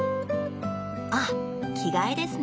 あっ着替えですね。